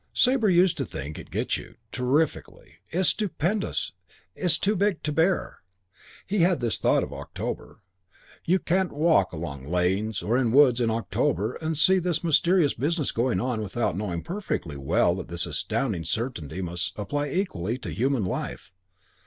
Sabre used to think, "It gets you terrifically. It's stupendous. It's too big to bear." He had this thought out of October: "You can't, can't walk along lanes or in woods in October and see all this mysterious business going on without knowing perfectly well that this astounding certainty must apply equally to human life.